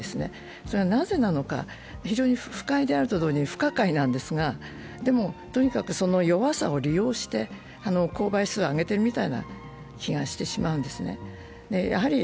それはなぜなのか、非常に不快であると同時に不可解なんですが、でも、とにかく弱さを利用して購買数を上げてるみたいな気がするんですね。